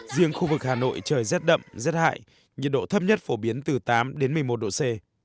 riêng khu vực hà nội trời rét đậm rét hại nhiệt độ thấp nhất phổ biến từ tám đến một mươi một độ c